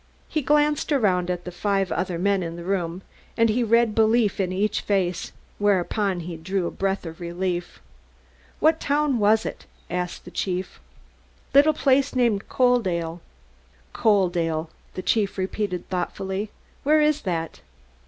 He glanced around at the five other men in the room, and he read belief in each face, whereupon he drew a breath of relief. "What town was it?" asked the chief. "Little place named Coaldale." "Coaldale," the chief repeated thoughtfully. "Where is that?"